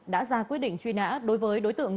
đã ra quyết định truy nã đối với đối tượng